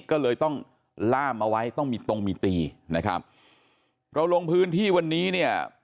ก็เลยต้องล่ามเอาไว้ต้องมีตรงมีตีนะครับเราลงพื้นที่วันนี้เนี่ย